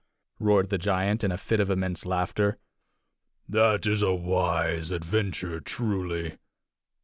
roared the giant, in a fit of immense laughter. "That is a wise adventure, truly!"